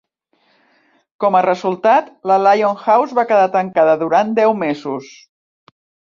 Com a resultat, la Lion House va quedar tancada durant deu mesos.